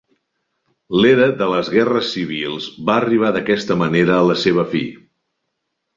L'era de les guerres civils va arribar d'aquesta manera a la seva fi.